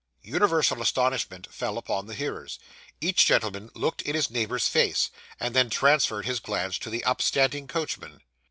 Universal astonishment fell upon the hearers. Each gentleman looked in his neighbour's face, and then transferred his glance to the upstanding coachman.